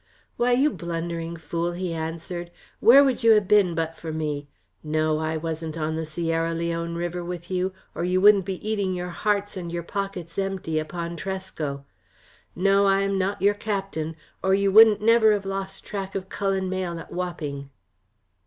"Why, you blundering fool," he answered, "where would you ha' been but for me? No, I wasn't on the Sierra Leone River with you, or you wouldn't be eating your hearts and your pockets empty upon Tresco. No, I am not your captain, or you wouldn't never have lost track of Cullen Mayle at Wapping."